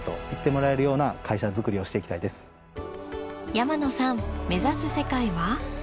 山野さん目指す世界は？